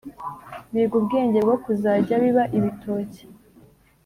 biga ubwenge bwo kuzajya biba ibitoki